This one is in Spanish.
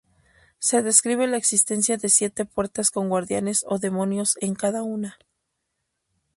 Se describe la existencia de siete puertas con guardianes o demonios en cada una.